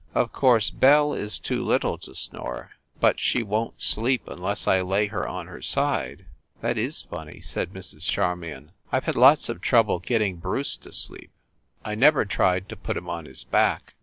Of course, Belle is too little to snore, but she won t sleep unless I lay her on her side." "That is funny," said Mrs. Charmion. "I ve had lots of trouble getting Bruce to sleep; I never tried to put him on his back.